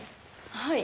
はい。